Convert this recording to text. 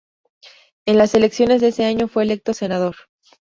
En las elecciones de ese año fue electo senador.